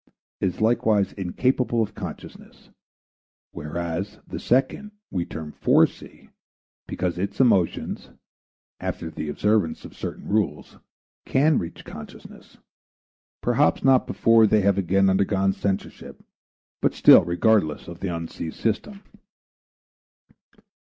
is likewise incapable of consciousness, whereas the second we term "Forec." because its emotions, after the observance of certain rules, can reach consciousness, perhaps not before they have again undergone censorship, but still regardless of the Unc. system.